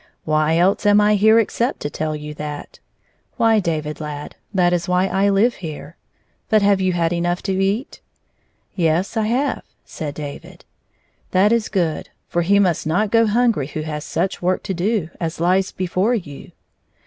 "Why else am I here except to tell you that 1 Why, David, lad, that is why I Uve here. But have you had enough to eat 1 "" Yes, I have," said David. "That is good; for he must not go hungry who has such work to do as lies before you."